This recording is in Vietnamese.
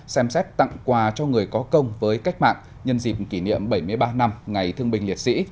xem xét tặng quà cho người có công với cách mạng nhân dịp kỷ niệm bảy mươi ba năm ngày thương binh liệt sĩ